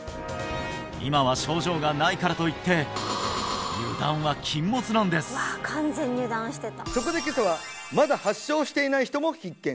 今は症状がないからといってそこで今朝はまだ発症していない人も必見！